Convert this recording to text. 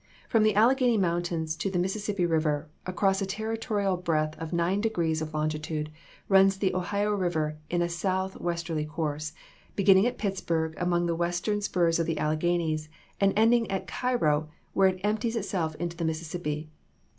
From the Alleghany mountains to the Mississippi Eiver, across a territorial breadth of nine degrees of longitude, runs the Ohio River in a south west erly course; beginning at Pittsburgh among the western spurs of the Alleghanies and ending at Cairo, where it empties itself into the Mississippi.